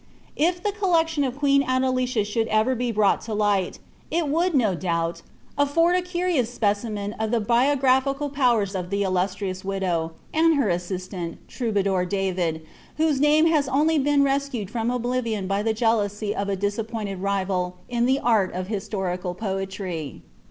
'' If the collection of queen Adelicia should ever be brought to light, it would no doubt afford a curious specimen of the biographical powers of the illustrious widow, and her assistant. Troubadour David, whose name has only been rescued from oblivion by the jealousy of a disappointed rival in the art of historical poetry.